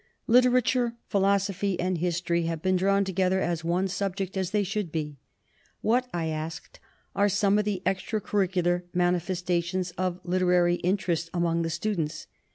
Literature, philosophy, and history have been drawn together as one sub ject, as they should be." "What," I asked, "are some of the extra curricular manifestations of literary interest among the students?"